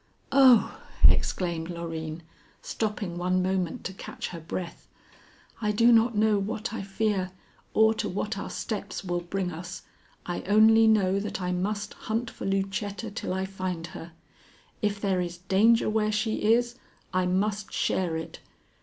"Oh!" exclaimed Loreen, stopping one moment to catch her breath, "I do not know what I fear or to what our steps will bring us. I only know that I must hunt for Lucetta till I find her. If there is danger where she is, I must share it.